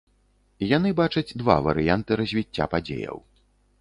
Яны бачаць два варыянты развіцця падзеяў.